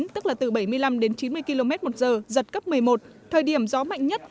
tức là từ bảy mươi năm đến chín mươi km một giờ giật cấp một mươi một thời điểm gió mạnh nhất